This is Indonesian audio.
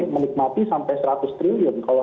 menikmati sampai seratus triliun kalau